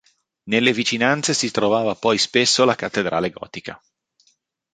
Nelle vicinanze si trovava poi spesso la cattedrale gotica.